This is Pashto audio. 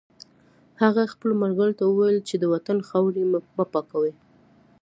هغه خپلو ملګرو ته وویل چې د وطن خاورې مه پاکوئ